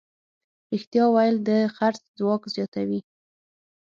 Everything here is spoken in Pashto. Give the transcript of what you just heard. رښتیا ویل د خرڅ ځواک زیاتوي.